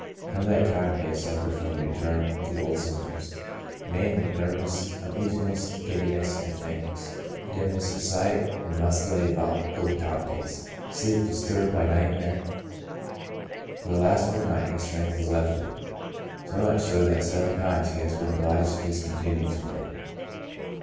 From that time he has suffered from a return of the old symptoms, namely, nervous uneasiness, giddiness and faintness, dim ness of sight, and muscae volitantes. Sleep disturbed by nightmare. For the last fortnight his strength has left him, so much so that several times he has been obliged to dis continue his work.